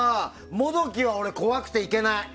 モドキは俺、怖くていけない。